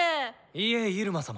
いえイルマ様